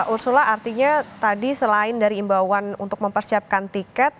usullah artinya tadi selain dari imbauan untuk mempersiapkan tiket